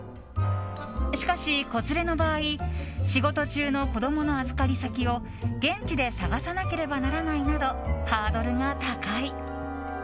しかし、子連れの場合仕事中の子供の預かり先を現地で探さなければならないなどハードルが高い。